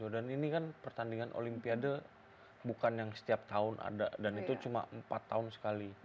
dan ini kan pertandingan olimpiade bukan yang setiap tahun ada dan itu cuma empat tahun sekali